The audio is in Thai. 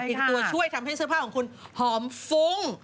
อีกตัวช่วยทำให้เสื้อผ้าของคุณหอมฟุ้ง